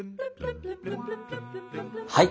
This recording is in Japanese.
はい。